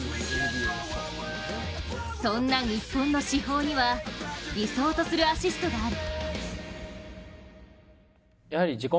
そんな日本の至宝には、理想とするアシストがある。